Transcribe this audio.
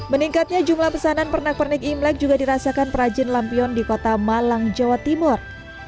meningkatnya jumlah pesanan pernak pernik imlek juga dirasakan perajin lampion di kota malang jawa timur